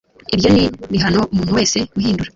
ibyo ni bihano umuntu wese uhindura